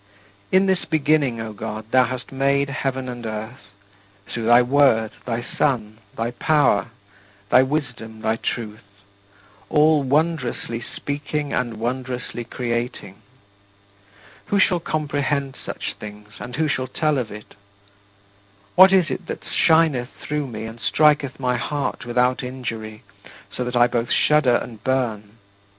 In this Beginning, O God, thou hast made heaven and earth through thy Word, thy Son, thy Power, thy Wisdom, thy Truth: all wondrously speaking and wondrously creating. Who shall comprehend such things and who shall tell of it? What is it that shineth through me and striketh my heart without injury, so that I both shudder and burn?